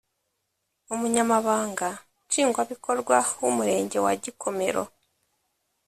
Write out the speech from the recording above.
Umunyamabanga Nshingwabikorwa w’Umurenge wa Gikomero